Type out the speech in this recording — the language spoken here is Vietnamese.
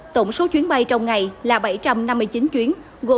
tổng số chuyến bay trong ngày là bảy trăm năm mươi chín chuyến